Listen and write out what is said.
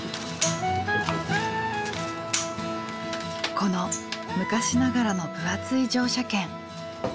この昔ながらの分厚い乗車券。